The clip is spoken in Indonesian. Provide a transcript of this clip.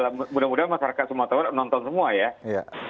mudah mudahan masyarakat sumatera nonton semua ya